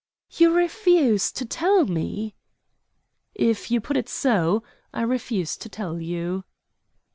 "You refuse to tell me?" "If you put it so, I refuse to tell you."